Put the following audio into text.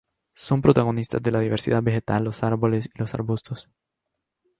Son protagonistas de la diversidad vegetal los árboles y los arbustos.